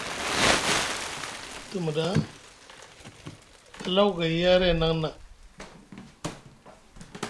Te muɗa Alaw gay yaray nʼaŋ na.